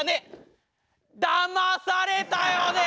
だまされたよね！